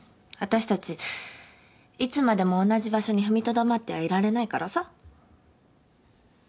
私たちいつまでも同じ場所に踏みとどまってはいられないからさ。